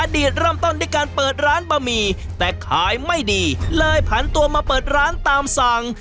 เริ่มต้นด้วยการเปิดร้านบะหมี่แต่ขายไม่ดีเลยผันตัวมาเปิดร้านตามสั่ง